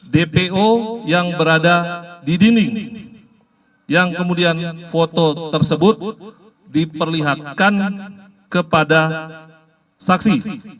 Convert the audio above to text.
dpo yang berada di dinding yang kemudian foto tersebut diperlihatkan kepada saksi